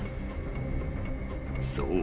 ［そう。